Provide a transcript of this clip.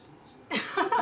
ハハハ